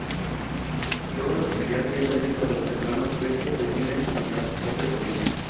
Luego de acompañar seis años a Los Hermanos Cuestas deciden continuar su propio camino.